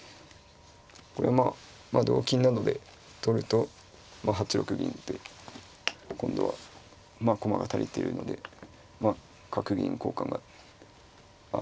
これはまあ同金などで取ると８六銀って今度はまあ駒が足りてるので角銀交換があ